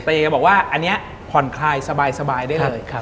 แต่อย่างเกิดบอกว่าอันนี้ผ่อนคลายสบายได้เลย